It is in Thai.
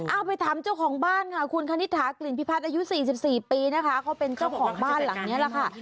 เอาไปถามเจ้าของบ้านค่ะคุณคณิตถากลิ่นพิพัฒน์อายุ๔๔ปีนะคะเขาเป็นเจ้าของบ้านหลังนี้แหละค่ะ